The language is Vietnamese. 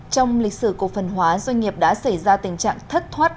trong lịch sử cổ phần hóa doanh nghiệp đã xảy ra tình trạng thất thoát đất công